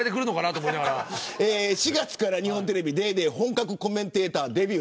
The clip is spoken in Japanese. ４月から日本テレビＤａｙＤａｙ．本格コメンテーターデビュー。